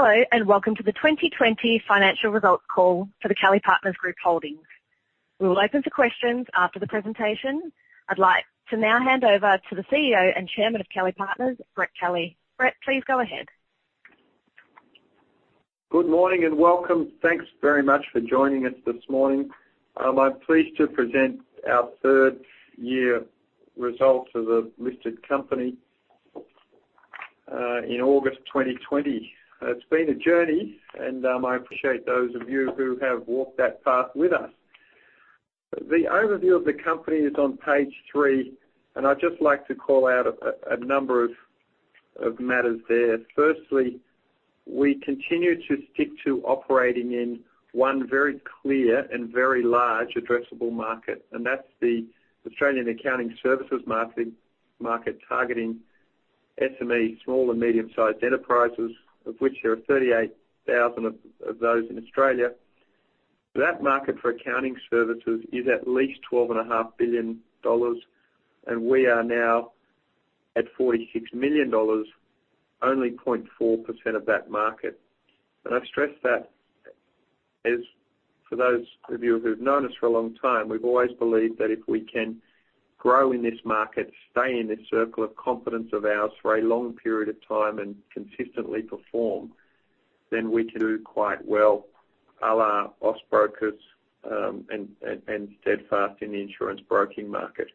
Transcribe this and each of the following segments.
Hello and welcome to the 2020 financial results call for the Kelly Partners Group Holdings. We will open for questions after the presentation. I'd like to now hand over to the CEO and Chairman of Kelly Partners, Brett Kelly. Brett, please go ahead. Good morning and welcome. Thanks very much for joining us this morning. I'm pleased to present our third-year results of the listed company in August 2020. It's been a journey, and I appreciate those of you who have walked that path with us. The overview of the company is on page three, and I'd just like to call out a number of matters there. Firstly, we continue to stick to operating in one very clear and very large addressable market, and that's the Australian Accounting Services market, targeting SMEs, small and medium-sized enterprises, of which there are 38,000 of those in Australia. That market for accounting services is at least $12.5 billion, and we are now at $46 million, only 0.4% of that market. I've stressed that for those of you who've known us for a long time, we've always believed that if we can grow in this market, stay in this circle of confidence of ours for a long period of time, and consistently perform, then we can do quite well. We are Osborne and Steadfast in the insurance broking market.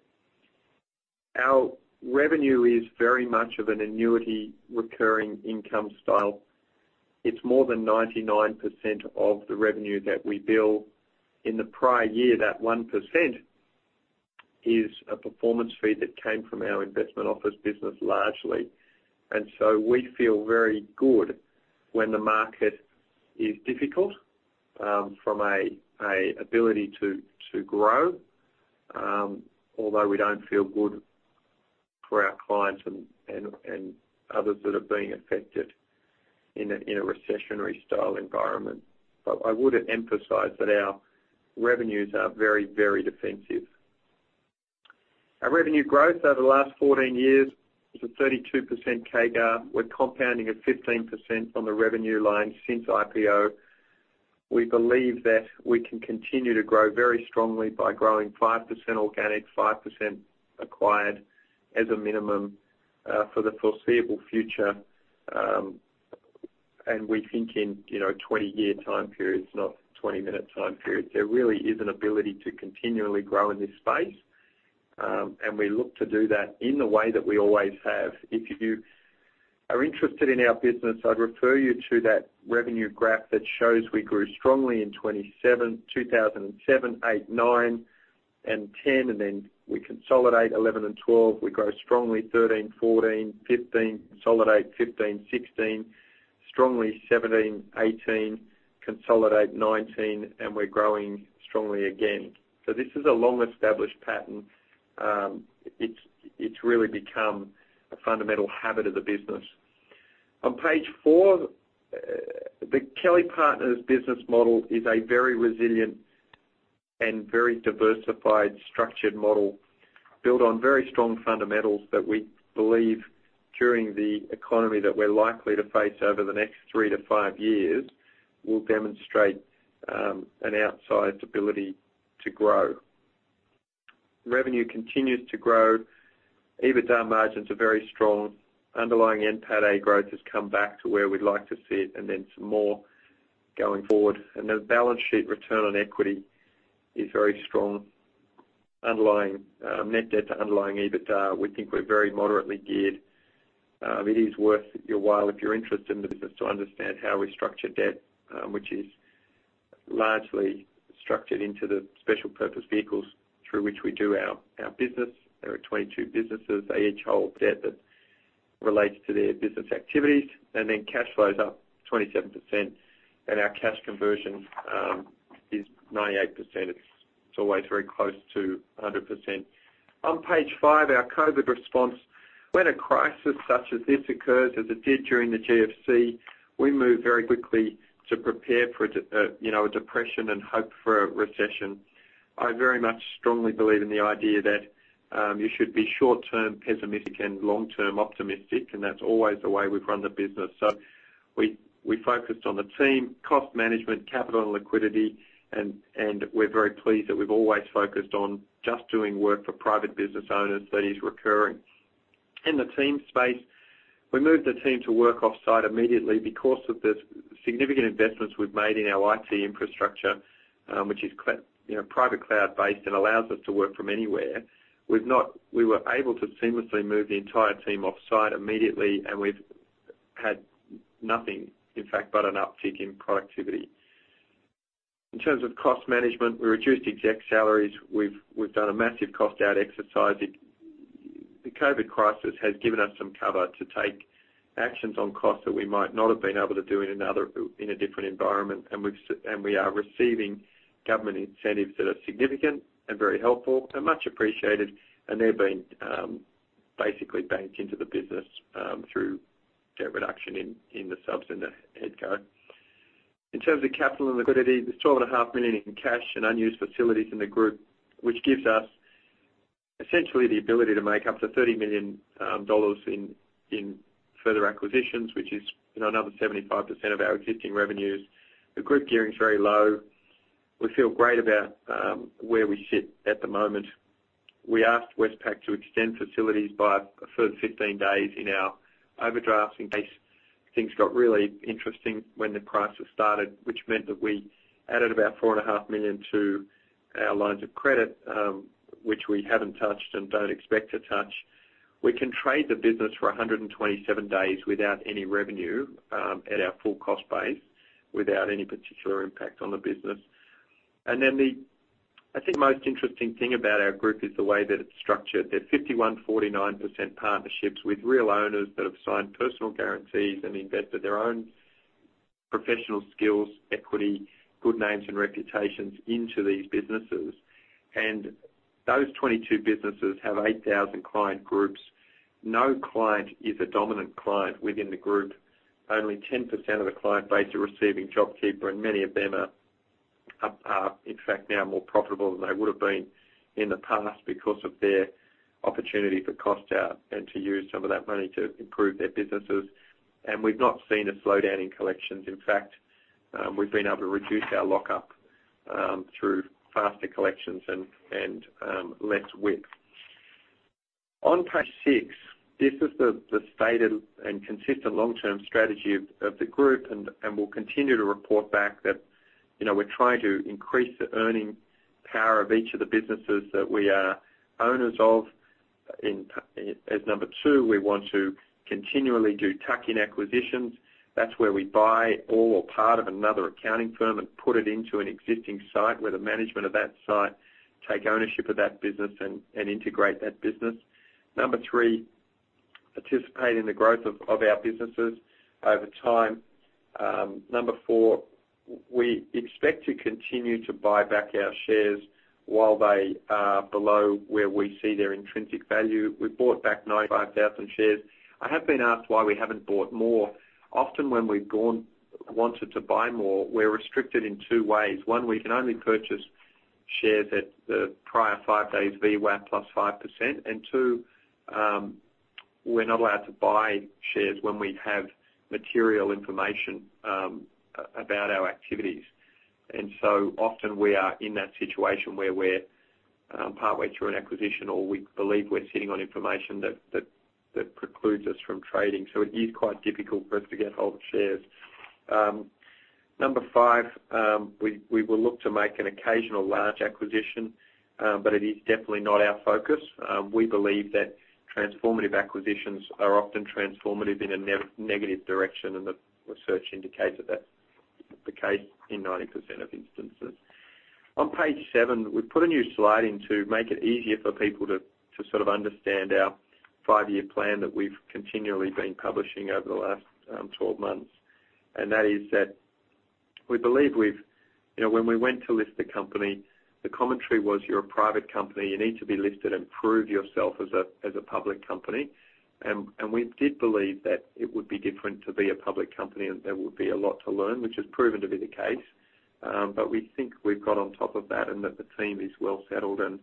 Our revenue is very much of an annuity recurring income style. It's more than 99% of the revenue that we bill. In the prior year, that 1% is a performance fee that came from our investment office business largely. We feel very good when the market is difficult from an ability to grow, although we don't feel good for our clients and others that are being affected in a recessionary style environment. I would emphasize that our revenues are very, very defensive. Our revenue growth over the last 14 years is 32% CAGR. We're compounding at 15% on the revenue line since IPO. We believe that we can continue to grow very strongly by growing 5% organic, 5% acquired as a minimum for the foreseeable future. We think in 20-year time periods, not 20-minute time periods. There really is an ability to continually grow in this space, and we look to do that in the way that we always have. If you are interested in our business, I'd refer you to that revenue graph that shows we grew strongly in 2007, 2008, 2009, and 2010, and then we consolidate 2011 and 2012. We grow strongly 2013, 2014, 2015, consolidate 2015, 2016, strongly 2017, 2018, consolidate 2019, and we're growing strongly again. This is a long-established pattern. It's really become a fundamental habit of the business. On page four, the Kelly Partners business model is a very resilient and very diversified structured model built on very strong fundamentals that we believe during the economy that we're likely to face over the next three to five years will demonstrate an outsized ability to grow. Revenue continues to grow. EBITDA margins are very strong. Underlying NPATA growth has come back to where we'd like to see it, and then some more going forward. And the balance sheet return on equity is very strong. Net debt to underlying EBITDA, we think we're very moderately geared. It is worth your while if you're interested in the business to understand how we structure debt, which is largely structured into the special purpose vehicles through which we do our business. There are 22 businesses they each hold debt that relates to their business activities, and then cash flows up 27%, and our cash conversion is 98%. It's always very close to 100%. On page five, our COVID response. When a crisis such as this occurs, as it did during the GFC, we move very quickly to prepare for a depression and hope for a recession. I very much strongly believe in the idea that you should be short-term pessimistic and long-term optimistic, and that's always the way we've run the business. So we focused on the team, cost management, capital, and liquidity, and we're very pleased that we've always focused on just doing work for private business owners that is recurring. In the team space, we moved the team to work offsite immediately because of the significant investments we've made in our IT infrastructure, which is private cloud-based and allows us to work from anywhere. We were able to seamlessly move the entire team offsite immediately, and we've had nothing, in fact, but an uptick in productivity. In terms of cost management, we reduced exec salaries. We've done a massive cost-out exercise. The COVID crisis has given us some cover to take actions on costs that we might not have been able to do in a different environment, and we are receiving government incentives that are significant and very helpful and much appreciated, and they've been basically banked into the business through that reduction in the subs and the headcount. In terms of capital and liquidity, there's 12.5 million in cash and unused facilities in the group, which gives us essentially the ability to make up to 30 million dollars in further acquisitions, which is another 75% of our existing revenues. The group gearing's very low. We feel great about where we sit at the moment. We asked Westpac to extend facilities by a further 15 days in our overdrafts. Things got really interesting when the crisis started, which meant that we added about 4.5 million to our lines of credit, which we haven't touched and don't expect to touch. We can trade the business for 127 days without any revenue at our full cost base, without any particular impact on the business. The most interesting thing about our group is the way that it's structured. There's 51-49% partnerships with real owners that have signed personal guarantees and invested their own professional skills, equity, good names, and reputations into these businesses. And those 22 businesses have 8,000 client groups. No client is a dominant client within the group. Only 10% of the client base are receiving JobKeeper, and many of them are, in fact, now more profitable than they would have been in the past because of their opportunity for cost-out and to use some of that money to improve their businesses. And we've not seen a slowdown in collections. In fact, we've been able to reduce our lockup through faster collections and less width. On page six, this is the stated and consistent long-term strategy of the group, and we'll continue to report back that we're trying to increase the earning power of each of the businesses that we are owners of. As number two, we want to continually do tuck-in acquisitions. That's where we buy all or part of another accounting firm and put it into an existing site where the management of that site takes ownership of that business and integrates that business. Number three, participate in the growth of our businesses over time. Number four, we expect to continue to buy back our shares while they are below where we see their intrinsic value. We've bought back 95,000 shares. I have been asked why we haven't bought more. Often, when we've wanted to buy more, we're restricted in two ways. One, we can only purchase shares at the prior five days VWAP plus 5%. And two, we're not allowed to buy shares when we have material information about our activities. And so often, we are in that situation where we're partway through an acquisition, or we believe we're sitting on information that precludes us from trading. So it is quite difficult for us to get hold of shares. Number five, we will look to make an occasional large acquisition, but it is definitely not our focus. We believe that transformative acquisitions are often transformative in a negative direction, and the research indicates that that's the case in 90% of instances. On page seven, we've put a new slide in to make it easier for people to sort of understand our five-year plan that we've continually been publishing over the last 12 months. And that is that we believe when we went to list the company, the commentary was, "You're a private company. You need to be listed and prove yourself as a public company." And we did believe that it would be different to be a public company and there would be a lot to learn, which has proven to be the case. But we think we've got on top of that and that the team is well-settled and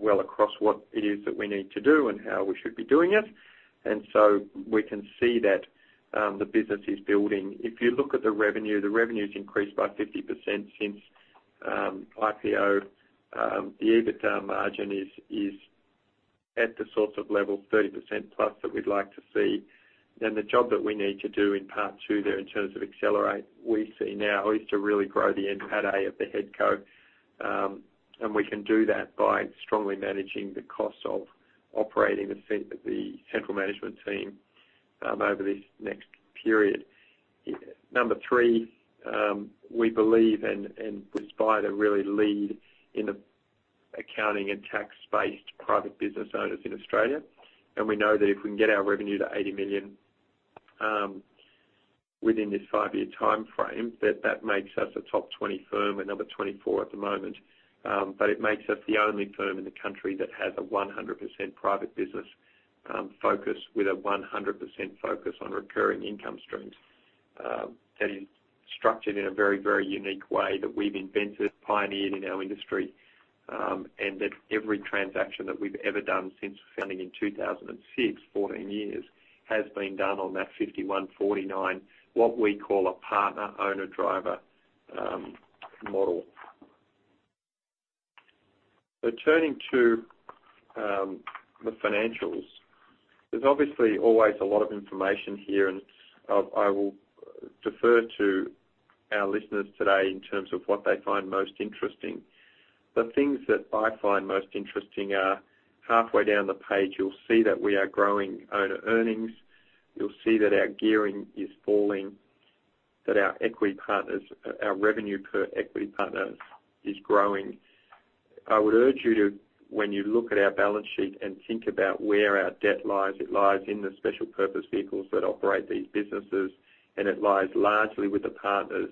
well across what it is that we need to do and how we should be doing it. And so we can see that the business is building. If you look at the revenue, the revenue has increased by 50% since IPO. The EBITDA margin is at the sort of level of 30% plus that we'd like to see. And the job that we need to do in part two there in terms of accelerate, we see now, is to really grow the NPATA of the headco. We can do that by strongly managing the costs of operating the central management team over this next period. Number three, we believe and was by the really lead in the accounting and tax-based private business owners in Australia. We know that if we can get our revenue to 80 million within this five-year time frame, that that makes us a top 20 firm, a number 24 at the moment. It makes us the only firm in the country that has a 100% private business focus with a 100% focus on recurring income streams. That is structured in a very, very unique way that we've invented, pioneered in our industry, and that every transaction that we've ever done since founding in 2006, 14 years, has been done on that 51-49, what we call a partner-owner-driver model. Returning to the financials, there's obviously always a lot of information here, and I will defer to our listeners today in terms of what they find most interesting. The things that I find most interesting are halfway down the page, you'll see that we are growing our earnings. You'll see that our gearing is falling, that our revenue per equity partners is growing. I would urge you to, when you look at our balance sheet and think about where our debt lies, it lies in the special purpose vehicles that operate these businesses, and it lies largely with the partners.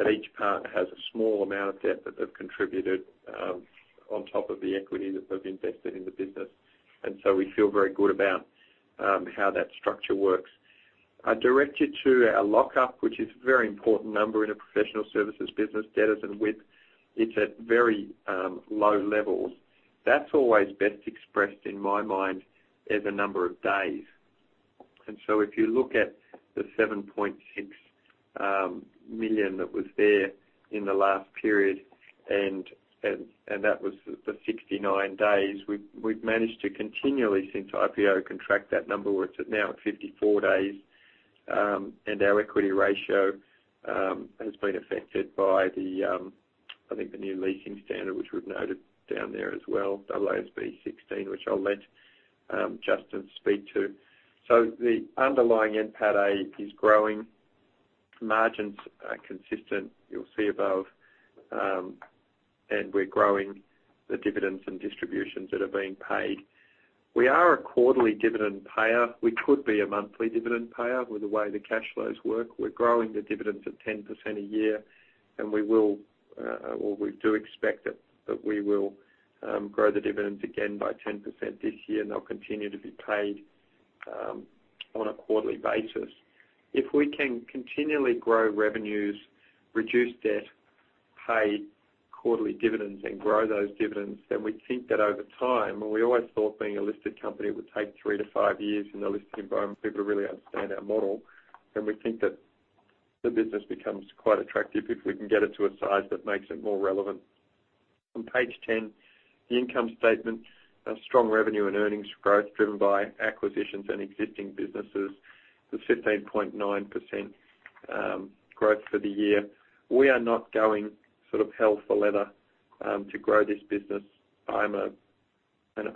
That each partner has a small amount of debt that they've contributed on top of the equity that they've invested in the business. And so we feel very good about how that structure works. I directed to our lockup, which is a very important number in a professional services business, debtors and width. It's at very low levels. That's always best expressed in my mind as a number of days. And so if you look at the 7.6 million that was there in the last period, and that was the 69 days, we've managed to continually since IPO contract that number, which is now at 54 days. And our equity ratio has been affected by the, I think, the new leasing standard, which we've noted down there as well, ASB 16, which I'll let Justin speak to. So the underlying NPATA is growing. Margins are consistent. You'll see above. And we're growing the dividends and distributions that are being paid. We are a quarterly dividend payer. We could be a monthly dividend payer with the way the cash flows work. We're growing the dividends at 10% a year, and we will, or we do expect that we will grow the dividends again by 10% this year, and they'll continue to be paid on a quarterly basis. If we can continually grow revenues, reduce debt, pay quarterly dividends, and grow those dividends, then we think that over time, and we always thought being a listed company would take three to five years in the listing environment for people to really understand our model, and we think that the business becomes quite attractive if we can get it to a size that makes it more relevant. On page 10, the income statement, strong revenue and earnings growth driven by acquisitions and existing businesses. There's 15.9% growth for the year. We are not going sort of hell for leather to grow this business. I'm an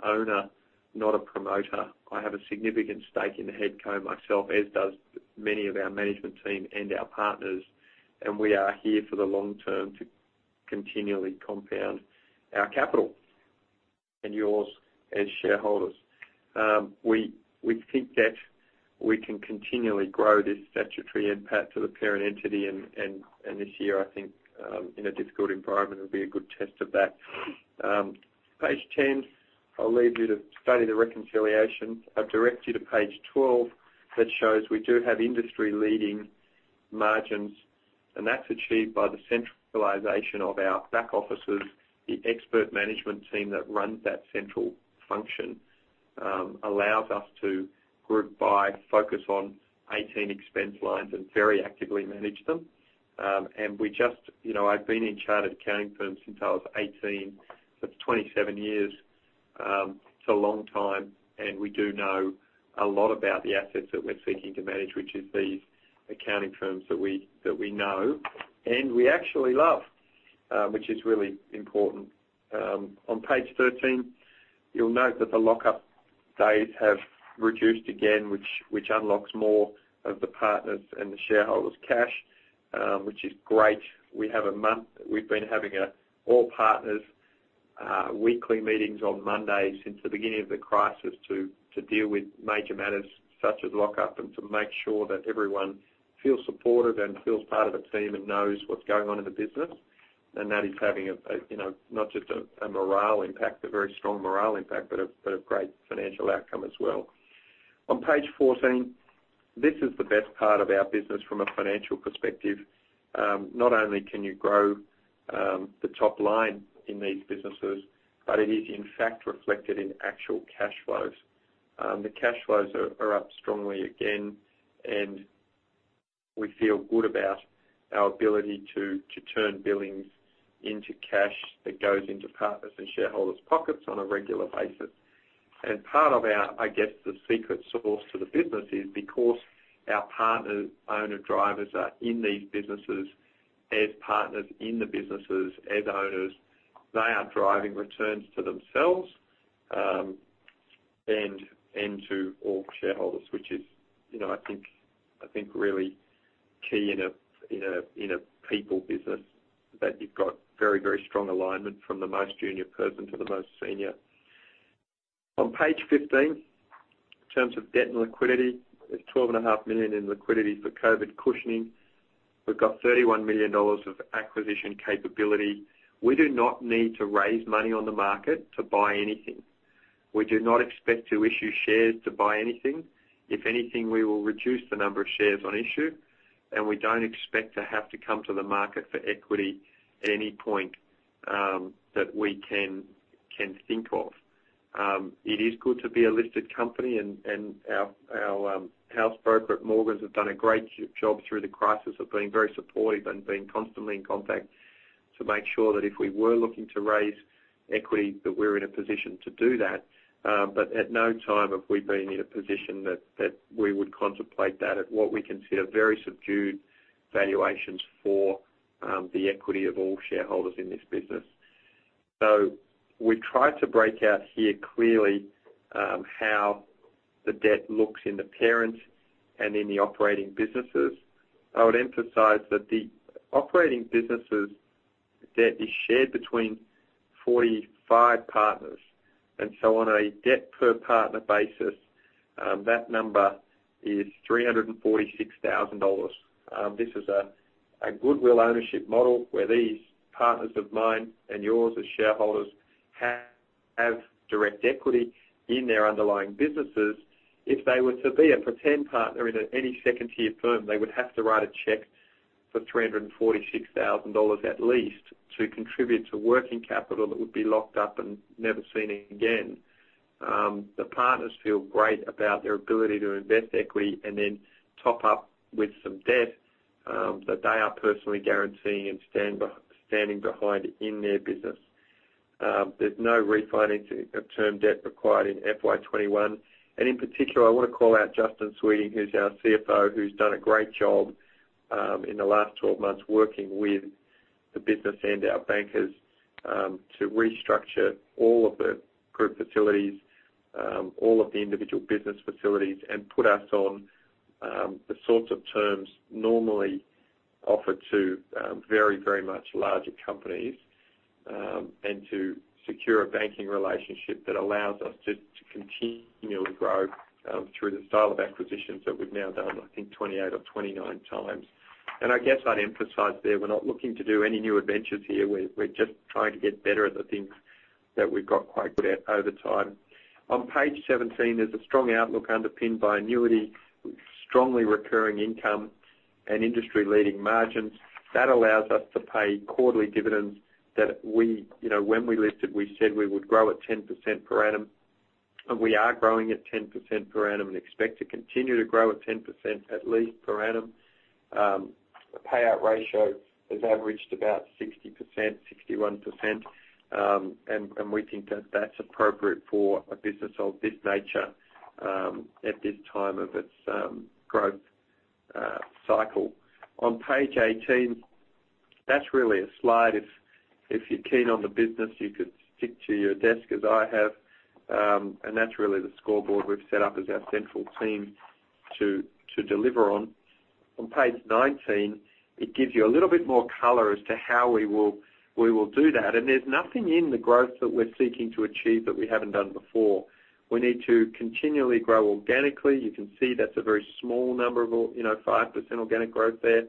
owner, not a promoter. I have a significant stake in the headcount myself, as does many of our management team and our partners, and we are here for the long term to continually compound our capital and yours as shareholders. We think that we can continually grow this statutory NPAT to the parent entity, and this year, I think in a difficult environment, it would be a good test of that. Page 10, I'll leave you to study the reconciliation. I've directed to page 12 that shows we do have industry-leading margins, and that's achieved by the centralization of our back offices, the expert management team that runs that central function, allows us to group by focus on 18 expense lines and very actively manage them. And we just, I've been in charge of accounting firms since I was 18. That's 27 years. It's a long time, and we do know a lot about the assets that we're seeking to manage, which is these accounting firms that we know and we actually love, which is really important. On page 13, you'll note that the lockup date has reduced again, which unlocks more of the partners' and the shareholders' cash, which is great. We have a month that we've been having all partners' weekly meetings on Mondays since the beginning of the crisis to deal with major matters such as lockup and to make sure that everyone feels supported and feels part of a team and knows what's going on in the business. And that is having not just a morale impact, a very strong morale impact, but a great financial outcome as well. On page 14, this is the best part of our business from a financial perspective. Not only can you grow the top line in these businesses, but it is, in fact, reflected in actual cash flows. The cash flows are up strongly again, and we feel good about our ability to turn billings into cash that goes into partners' and shareholders' pockets on a regular basis. And part of our, I guess, the secret sauce to the business is because our partners, owners, drivers are in these businesses as partners in the businesses, as owners. They are driving returns to themselves and to all shareholders, which is, I think, really key in a people business that you've got very, very strong alignment from the most junior person to the most senior. On page 15, in terms of debt and liquidity, there's 12.5 million in liquidity for COVID cushioning. We've got $31 million of acquisition capability. We do not need to raise money on the market to buy anything. We do not expect to issue shares to buy anything. If anything, we will reduce the number of shares on issue, and we don't expect to have to come to the market for equity at any point that we can think of. It is good to be a listed company, and our house broker at Morgan's have done a great job through the crisis of being very supportive and being constantly in contact to make sure that if we were looking to raise equity, that we're in a position to do that. But at no time have we been in a position that we would contemplate that at what we consider very subdued valuations for the equity of all shareholders in this business. So we try to break out here clearly how the debt looks in the parent and in the operating businesses. I would emphasize that the operating businesses' debt is shared between 45 partners. And so on a debt-per-partner basis, that number is $346,000. This is a goodwill ownership model where these partners of mine and yours as shareholders have direct equity in their underlying businesses. If they were to be a pretend partner in any second-tier firm, they would have to write a check for $346,000 at least to contribute to working capital that would be locked up and never seen again. The partners feel great about their ability to invest equity and then top up with some debt that they are personally guaranteeing and standing behind in their business. There's no refinancing of term debt required in FY21. In particular, I want to call out Justin Sweet, who's our CFO, who's done a great job in the last 12 months working with the business and our bankers to restructure all of the group facilities, all of the individual business facilities, and put us on the sorts of terms normally offered to very, very much larger companies and to secure a banking relationship that allows us to continually grow through the style of acquisitions that we've now done, I think, 28 or 29 times. I guess I'd emphasize there we're not looking to do any new adventures here. We're just trying to get better at the things that we've got quite good at over time. On page 17, there's a strong outlook underpinned by annuity, strongly recurring income, and industry-leading margins. That allows us to pay quarterly dividends that when we listed, we said we would grow at 10% per annum. We are growing at 10% per annum and expect to continue to grow at 10% at least per annum. The payout ratio has averaged about 60%, 61%. And we think that that's appropriate for a business of this nature at this time of its growth cycle. On page 18, that's really a slide. If you're keen on the business, you could stick to your desk as I have. And that's really the scoreboard we've set up as our central team to deliver on. On page 19, it gives you a little bit more color as to how we will do that. And there's nothing in the growth that we're seeking to achieve that we haven't done before. We need to continually grow organically. You can see that's a very small number of 5% organic growth there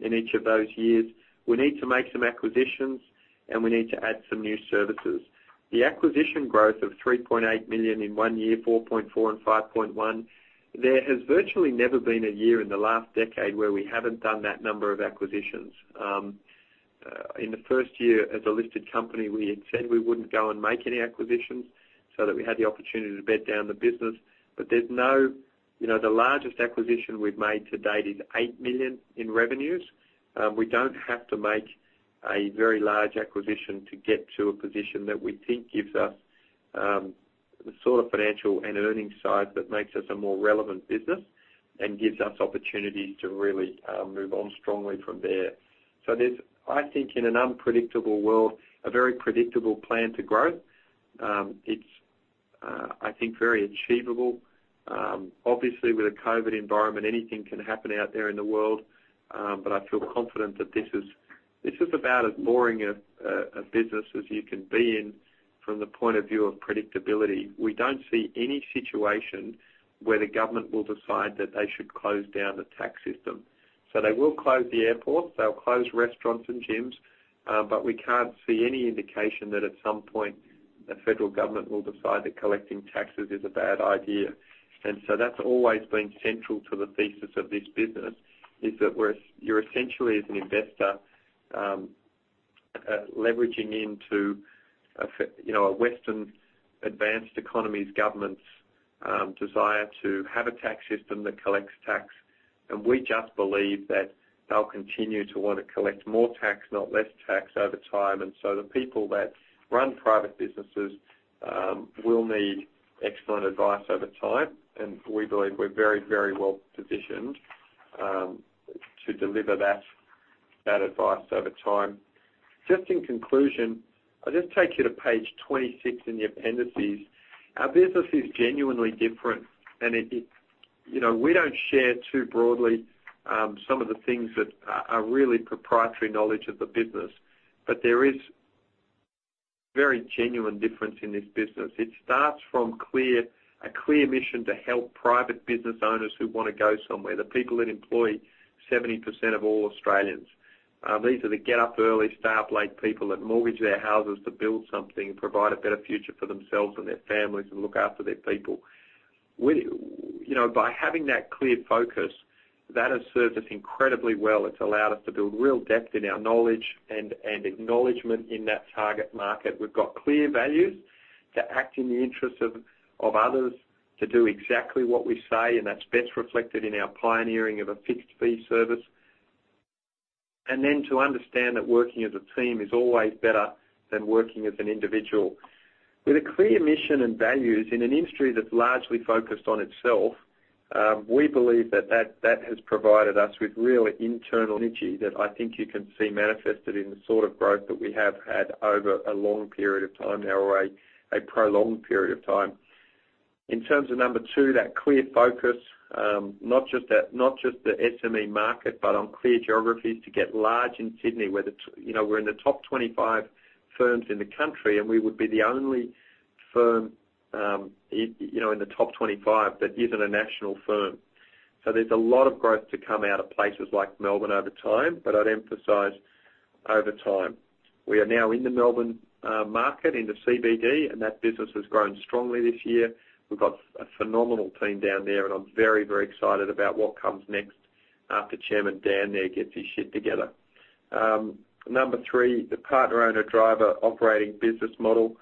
in each of those years. We need to make some acquisitions, and we need to add some new services. The acquisition growth of 3.8 million in one year, 4.4 in 5.1, there has virtually never been a year in the last decade where we haven't done that number of acquisitions. In the first year, as a listed company, we had said we wouldn't go and make any acquisitions so that we had the opportunity to bet down the business. But there's no the largest acquisition we've made to date is 8 million in revenues. We don't have to make a very large acquisition to get to a position that we think gives us the sort of financial and earnings side that makes us a more relevant business and gives us opportunities to really move on strongly from there. So there's, I think, in an unpredictable world, a very predictable plan to grow. It's, I think, very achievable. Obviously, with a COVID environment, anything can happen out there in the world, but I feel confident that this is about as boring a business as you can be in from the point of view of predictability. We don't see any situation where the government will decide that they should close down the tax system. So they will close the airport, they'll close restaurants and gyms, but we can't see any indication that at some point the federal government will decide that collecting taxes is a bad idea. And so that's always been central to the thesis of this business, is that you're essentially as an investor leveraging into a Western advanced economy's government's desire to have a tax system that collects tax. And we just believe that they'll continue to want to collect more tax, not less tax over time. And so the people that run private businesses will need excellent advice over time. And we believe we're very, very well positioned to deliver that advice over time. Just in conclusion, I'll just take you to page 26 in your appendices. Our business is genuinely different, and we don't share too broadly some of the things that are really proprietary knowledge of the business, but there is very genuine difference in this business. It starts from a clear mission to help private business owners who want to go somewhere, the people that employ 70% of all Australians. These are the get-up-early, stay-up-late people that mortgage their houses to build something, provide a better future for themselves and their families, and look after their people. By having that clear focus, that has served us incredibly well. It's allowed us to build real depth in our knowledge and acknowledgement in that target market. We've got clear values to act in the interest of others, to do exactly what we say, and that's best reflected in our pioneering of a fixed-fee service. And then to understand that working as a team is always better than working as an individual. With a clear mission and values in an industry that's largely focused on itself, we believe that that has provided us with real internal energy that I think you can see manifested in the sort of growth that we have had over a long period of time now or a prolonged period of time. In terms of number two, that clear focus, not just the SME market, but on clear geographies to get large in Sydney, where we're in the top 25 firms in the country, and we would be the only firm in the top 25 that isn't a national firm. So there's a lot of growth to come out of places like Melbourne over time, but I'd emphasize over time. We are now in the Melbourne market, in the CBD, and that business has grown strongly this year. We've got a phenomenal team down there, and I'm very, very excited about what comes next after Chairman Dan there gets his shit together. Number three, the partner-owner-driver operating business model.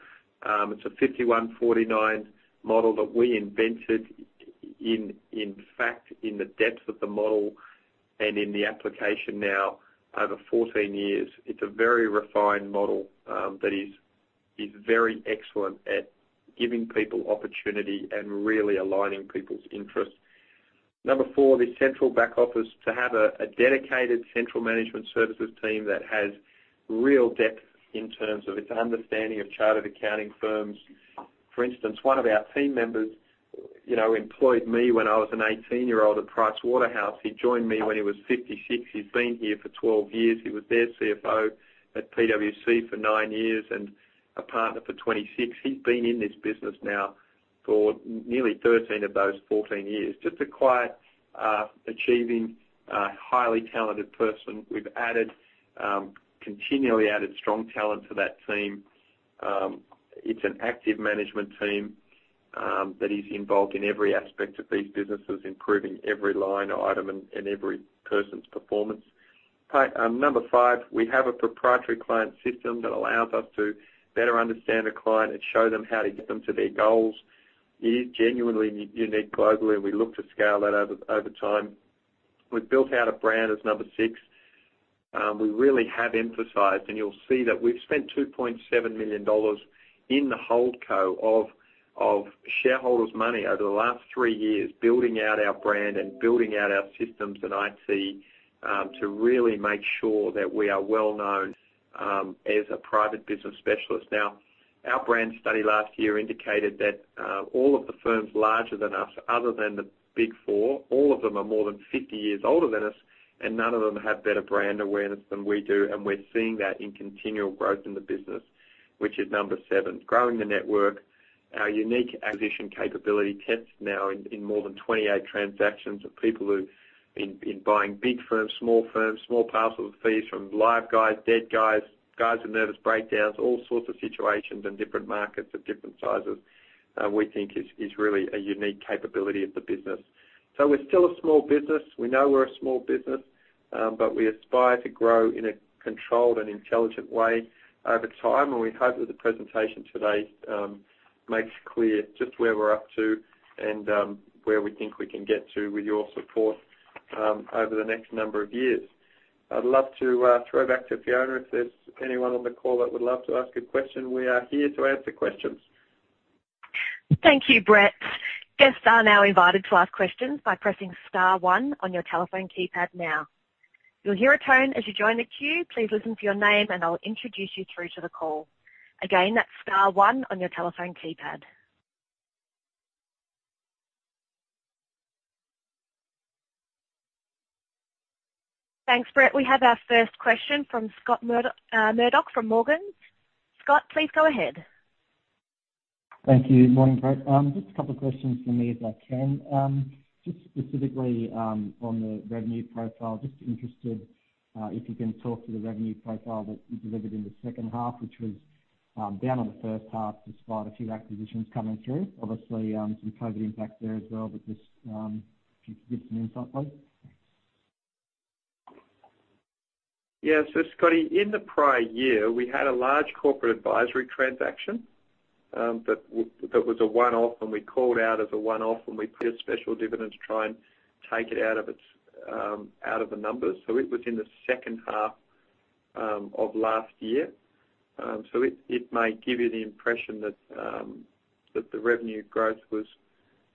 It's a 5149 model that we invented, in fact, in the depth of the model and in the application now over 14 years. It's a very refined model that is very excellent at giving people opportunity and really aligning people's interests. Number four, the central back office, to have a dedicated central management services team that has real depth in terms of its understanding of chartered accounting firms. For instance, one of our team members employed me when I was an 18-year-old at Price Waterhouse. He joined me when he was 56. He's been here for 12 years. He was their CFO at PwC for 9 years and a partner for 26. He's been in this business now for nearly 13 of those 14 years. Just a quiet, achieving, highly talented person. We've continually added strong talent to that team. It's an active management team that is involved in every aspect of these businesses, improving every line item and every person's performance. Number five, we have a proprietary client system that allows us to better understand a client and show them how to get them to their goals. It is genuinely unique globally, and we look to scale that over time. We've built out a brand as number six. We really have emphasized, and you'll see that we've spent $2.7 million in the whole co of shareholders' money over the last three years, building out our brand and building out our systems and IT to really make sure that we are well-known as a private business specialist. Now, our brand study last year indicated that all of the firms larger than us, other than the Big Four, all of them are more than 50 years older than us, and none of them have better brand awareness than we do. And we're seeing that in continual growth in the business, which is number seven. Growing the network, our unique acquisition capability tends now in more than 28 transactions of people who are buying big firms, small firms, small parcel fees from live guys, dead guys, guys with nervous breakdowns, all sorts of situations in different markets of different sizes, we think is really a unique capability of the business. So we're still a small business. We know we're a small business, but we aspire to grow in a controlled and intelligent way over time. And we hope that the presentation today makes clear just where we're up to and where we think we can get to with your support over the next number of years. I'd love to throw back to Fiona if there's anyone on the call that would love to ask a question. We are here to answer questions. Thank you, Brett. Guests are now invited to ask questions by pressing Star 1 on your telephone keypad now. You'll hear a tone as you join the queue. Please listen for your name, and I'll introduce you through to the call. Again, that's Star 1 on your telephone keypad. Thanks, Brett. We have our first question from Scott Murdoch from Morgans. Scott, please go ahead. Thank you. Morning, Brett. Just a couple of questions for me if I can. Just specifically on the revenue profile, just interested if you can talk to the revenue profile that you delivered in the second half, which was down on the first half despite a few acquisitions coming through. Obviously, some COVID impact there as well, but just if you could give some insight on. Yes. This is Cody. In the prior year, we had a large corporate advisory transaction that was a one-off, and we called out as a one-off, and we put a special dividend to try and take it out of the numbers. So it was in the second half of last year. So it may give you the impression that the revenue growth was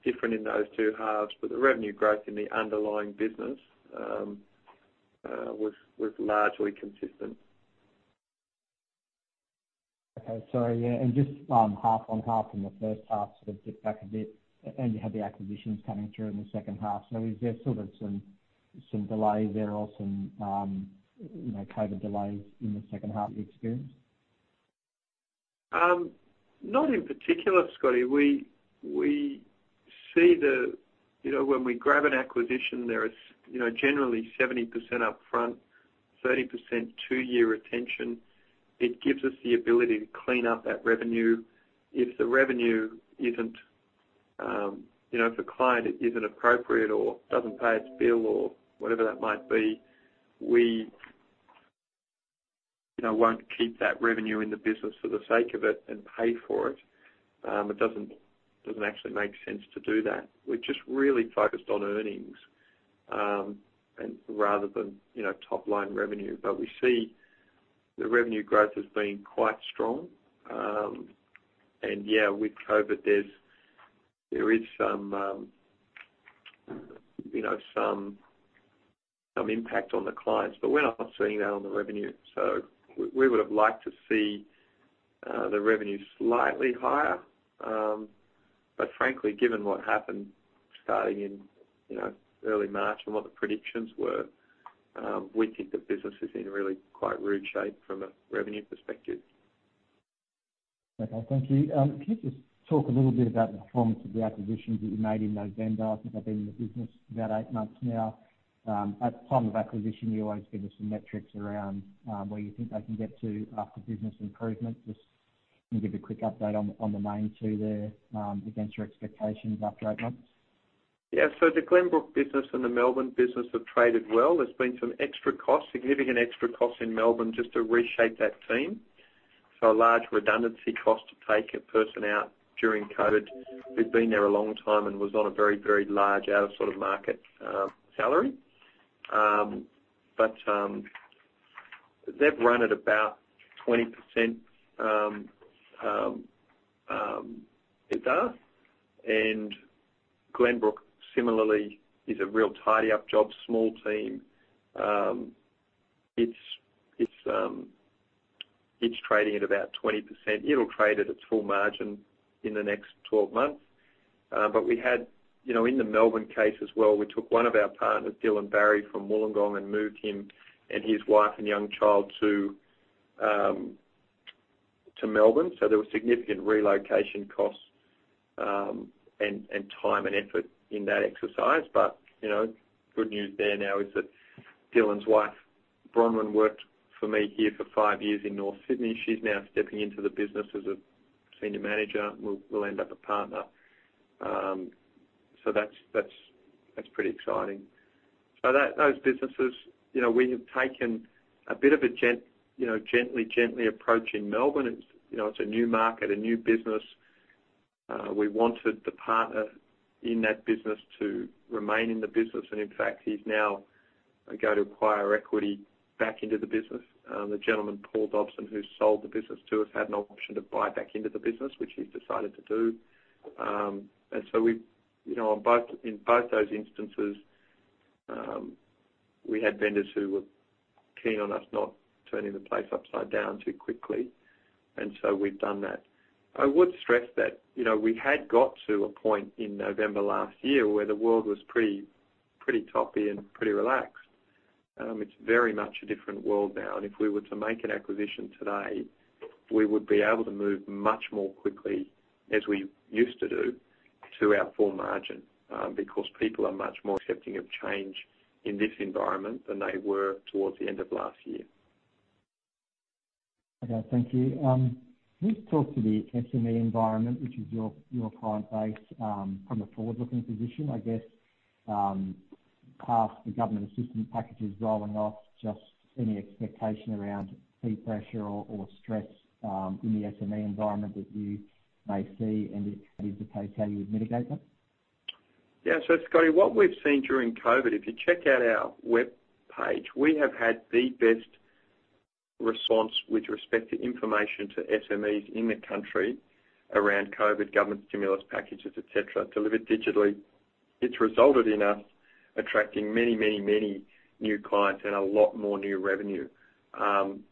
different in those two halves, but the revenue growth in the underlying business was largely consistent. Okay. Sorry. And just half on half in the first half, sort of dip back a bit, and you had the acquisitions coming through in the second half. So is there sort of some delays there or some COVID delays in the second half you experienced? Not in particular, Scotty. We see that when we grab an acquisition, there is generally 70% upfront, 30% two-year retention. It gives us the ability to clean up that revenue. If the revenue isn't, if a client isn't appropriate or doesn't pay its bill or whatever that might be, we won't keep that revenue in the business for the sake of it and pay for it. It doesn't actually make sense to do that. We're just really focused on earnings rather than top-line revenue. But we see the revenue growth has been quite strong. And yeah, with COVID, there is some impact on the clients, but we're not seeing that on the revenue. So we would have liked to see the revenues slightly higher. But frankly, given what happened starting in early March, and what the predictions were, we think the business has been really quite rude shaped from a revenue perspective. Thank you. Can you just talk a little bit about the performance of the acquisitions that you made in those vendors that have been in the business about eight months now? At the time of acquisition, you always give us some metrics around where you think they can get to after business improvement. Just needed a quick update on the main two there against your expectations after eight months. Yeah. So the Glenbrook business and the Melbourne business have traded well. There's been some extra costs, significant extra costs in Melbourne just to reshape that team. So a large redundancy cost to take a person out during COVID. We've been there a long time and was on a very, very large out-of-sort-of-market salary. But they've run at about 20%. And Glenbrook, similarly, is a real tidy-up job, small team. It's trading at about 20%. It'll trade at its full margin in the next 12 months. But we had, in the Melbourne case as well, we took one of our partners, Dylan Barry from Wollongong, and moved him and his wife and young child to Melbourne. So there were significant relocation costs and time and effort in that exercise. But good news there now is that Dylan's wife, Bronwyn, worked for me here for five years in North Sydney. She's now stepping into the business as a senior manager. We will end up a partner. That is pretty exciting. Those businesses, we have taken a bit of a gently, gently approach in Melbourne. It is a new market, a new business. We wanted the partner in that business to remain in the business. In fact, he is now going to acquire equity back into the business. The gentleman, Paul Dobson, who sold the business to us, had an option to buy back into the business, which he has decided to do. In both those instances, we had vendors who were keen on us not turning the place upside down too quickly. We have done that. I would stress that we had got to a point in November last year where the world was pretty toppy and pretty relaxed. It is very much a different world now. And if we were to make an acquisition today, we would be able to move much more quickly as we used to do to our full margin because people are much more accepting of change in this environment than they were towards the end of last year. Okay. Thank you. Can you talk to the SME environment, which is your client base, from a forward-looking position? I guess past the government assistance packages rolling off, just any expectation around peak pressure or stress in the SME environment that you may see, and if that is the case, how do you mitigate them? Yeah. So Scotty, what we've seen during COVID, if you check out our web page, we have had the best response with respect to information to SMEs in the country around COVID, government stimulus packages, etc., delivered digitally. It's resulted in us attracting many, many, many new clients and a lot more new revenue.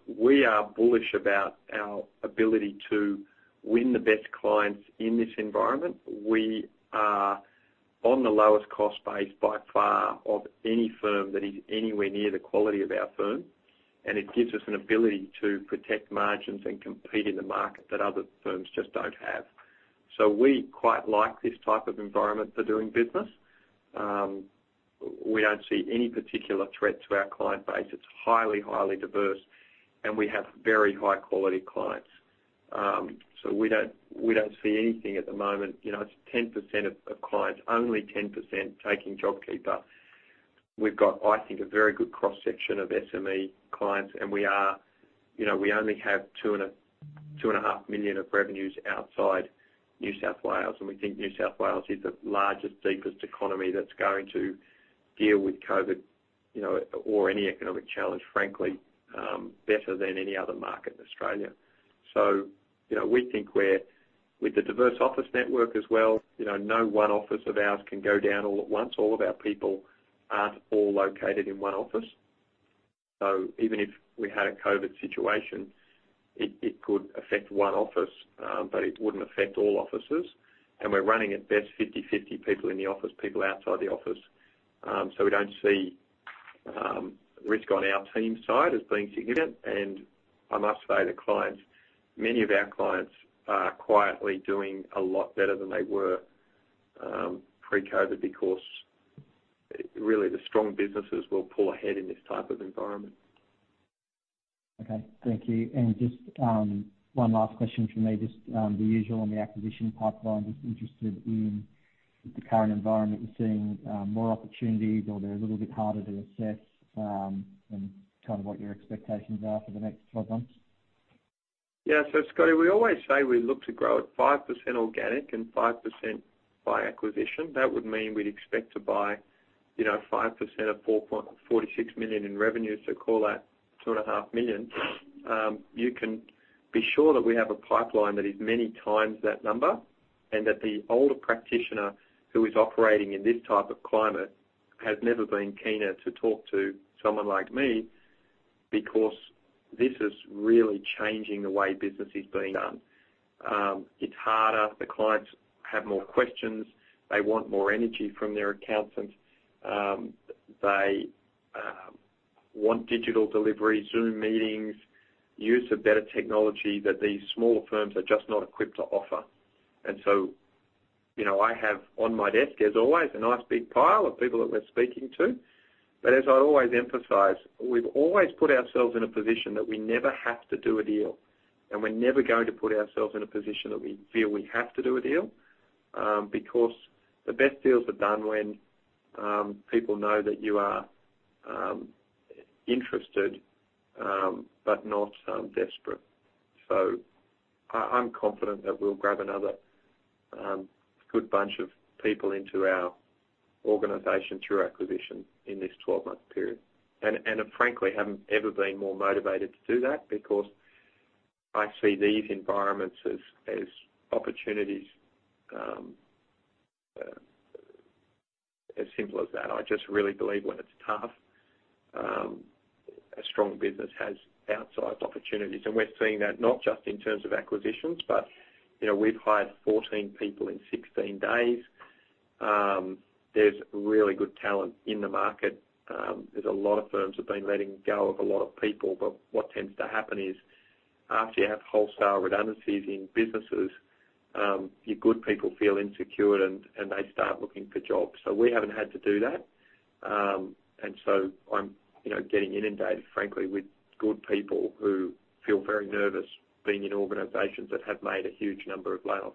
We are bullish about our ability to win the best clients in this environment. We are on the lowest cost base by far of any firm that is anywhere near the quality of our firm. And it gives us an ability to protect margins and compete in the market that other firms just don't have. So we quite like this type of environment for doing business. We don't see any particular threat to our client base. It's highly, highly diverse, and we have very high-quality clients. So we don't see anything at the moment. It's 10% of clients, only 10% taking job keeper. We've got, I think, a very good cross-section of SME clients, and we only have two and a half million of revenues outside New South Wales. And we think New South Wales is the largest, deepest economy that's going to deal with COVID or any economic challenge, frankly, better than any other market in Australia. So we think we're with the diverse office network as well. No one office of ours can go down all at once. All of our people aren't all located in one office. So even if we had a COVID situation, it could affect one office, but it wouldn't affect all offices. And we're running at best 50-50 people in the office, people outside the office. So we don't see risk on our team side as being significant. And I must say, the clients, many of our clients are quietly doing a lot better than they were pre-COVID because really the strong businesses will pull ahead in this type of environment. Okay. Thank you. And just one last question for me. Just the usual on the acquisition pipeline. Just interested in the current environment. You're seeing more opportunities, or they're a little bit harder to assess, and kind of what your expectations are for the next 12 months? Yeah. So Scotty, we always say we look to grow at 5% organic and 5% by acquisition. That would mean we'd expect to buy 5% of 4.46 million in revenue. So call that 2.5 million. You can be sure that we have a pipeline that is many times that number and that the older practitioner who is operating in this type of climate has never been keener to talk to someone like me because this is really changing the way business is being done. It's harder. The clients have more questions. They want more energy from their accountants. They want digital delivery, Zoom meetings, use of better technology that these small firms are just not equipped to offer. And so I have on my desk, as always, a nice big pile of people that we're speaking to. But as I always emphasize, we've always put ourselves in a position that we never have to do a deal. And we're never going to put ourselves in a position that we feel we have to do a deal because the best deals are done when people know that you are interested but not desperate. So I'm confident that we'll grab another good bunch of people into our organization through acquisition in this 12-month period. And frankly, I haven't ever been more motivated to do that because I see these environments as opportunities, as simple as that. I just really believe when it's tough, a strong business has outsized opportunities. And we're seeing that not just in terms of acquisitions, but we've hired 14 people in 16 days. There's really good talent in the market. There's a lot of firms that have been letting go of a lot of people. But what tends to happen is after you have wholesale redundancies in businesses, your good people feel insecure, and they start looking for jobs. So we haven't had to do that. And so I'm getting inundated, frankly, with good people who feel very nervous being in organizations that have made a huge number of layoffs.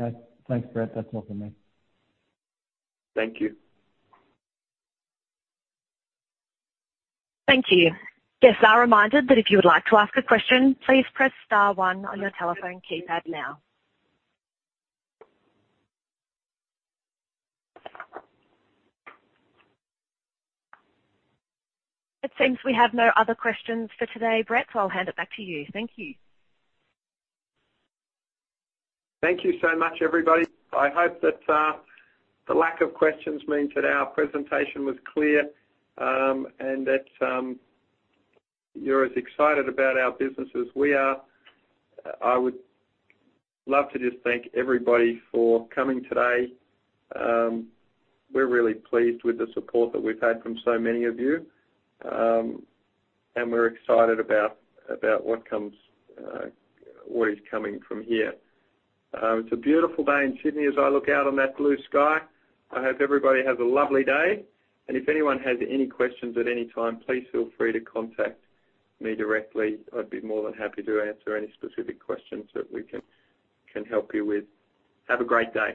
Okay. Thanks, Brett. That's all from me. Thank you. Thank you. Yes, our reminder that if you would like to ask a question, please press Star 1 on your telephone keypad now. It seems we have no other questions for today, Brett. So I'll hand it back to you. Thank you. Thank you so much, everybody. I hope that the lack of questions means that our presentation was clear and that you're as excited about our business as we are. I would love to just thank everybody for coming today. We're really pleased with the support that we've had from so many of you, and we're excited about what is coming from here. It's a beautiful day in Sydney as I look out on that blue sky. I hope everybody has a lovely day. And if anyone has any questions at any time, please feel free to contact me directly. I'd be more than happy to answer any specific questions that we can help you with. Have a great day.